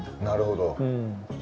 なるほど。